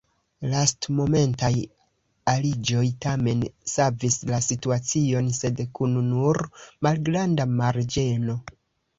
Lastmomentaj aliĝoj tamen savis la situacion, sed kun nur malgranda marĝeno.